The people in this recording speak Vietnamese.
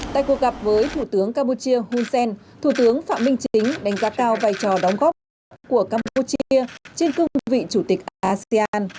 tại cuộc gặp với thủ tướng campuchia hun sen thủ tướng phạm minh chính đánh giá cao vai trò đóng góp của campuchia trên cương vị chủ tịch asean